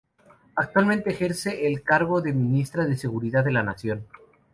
Actualmente ejerce el cargo de Ministra de Seguridad de la Nación.